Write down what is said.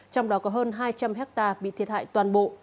trong đó có hơn hai trăm linh hectare bị thiệt hại toàn bộ